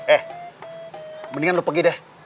eh mendingan lu pergi deh